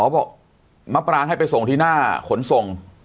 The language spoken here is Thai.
บอกมะปรางให้ไปส่งที่หน้าขนส่ง